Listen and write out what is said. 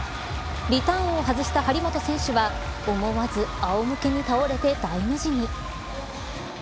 リターンを外した張本選手は思わずあおむけに倒れて大の字に。